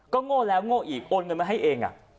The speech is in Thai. โง่แล้วโง่อีกโอนเงินมาให้เอง